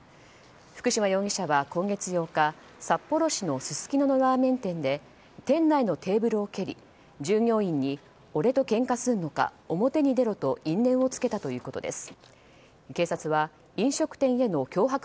福島容疑者は今月８日札幌市のすすきののラーメン店で店内のテーブルを蹴り、従業員に俺とけんかすんのか、表に出ろと因縁を付けたということです。